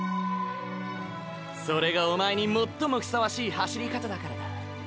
それがおまえに最もふさわしい走り方だからだ。